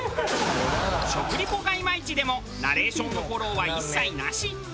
食リポがイマイチでもナレーションのフォローは一切なし。